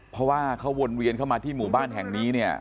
เพราะว่าเขาวนเวียนเข้ามาที่หมู่บ้านแห่งนี้เนี่ย